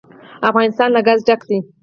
افغانستان له ګاز ډک دی.